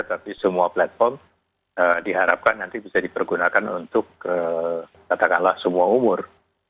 tapi semua platform diharapkan nanti bisa dipergunakan untuk katakanlah semua umur